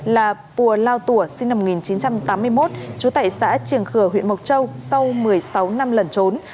là pua lao tùa sinh năm một nghìn chín trăm tám mươi một trú tại xã triển khừa huyện mộc châu sau một mươi sáu năm lần trốn